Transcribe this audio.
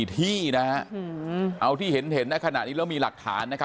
ที่นะฮะเอาที่เห็นในขณะนี้แล้วมีหลักฐานนะครับ